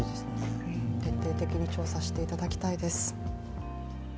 徹底的に調査していただきたいです。